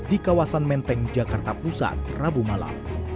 di kawasan menteng jakarta pusat rabu malam